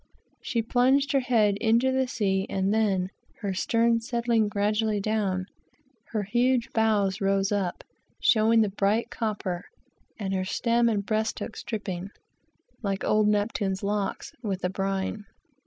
She lunged her head into the sea, and then, her stern settling gradually down, her huge bows rose up, showing the bright copper, and her stern, and bresthooks dripping, like old Neptune's locks, with the brine.